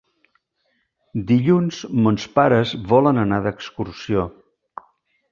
Dilluns mons pares volen anar d'excursió.